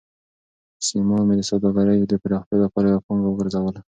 سپما مې د سوداګرۍ د پراختیا لپاره یوه پانګه وګرځوله.